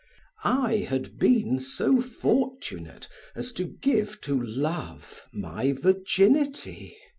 I had been so fortunate as to give to love my virginity.